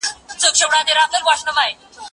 زه له سهاره د لوبو لپاره وخت نيسم،